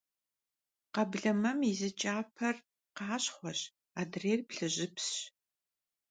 Kheblemem yi zı ç'aper khaşxhueş, adrêyr — plhıjjıts.